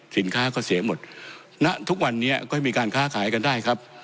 สินค้าก็เสียหมดณทุกวันนี้ก็มีการค้าขายกันได้ครับ